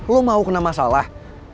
lo mau kena masalah